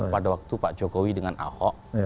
pada waktu pak jokowi dengan ahok